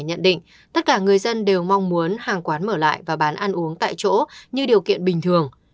nhận định tất cả người dân đều mong muốn hàng quán mở lại và bán ăn uống tại chỗ như điều kiện bình thường